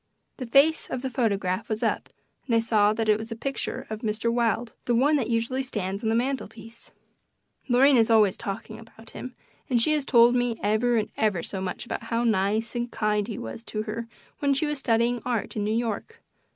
The face of the photograph was up and I saw that it was a picture of Mr. Wilde the one that usually stands on the mantel piece. Lorraine is always talking about him, and she has told me ever and ever so much about how nice and kind he was to her when she was studying art in New York.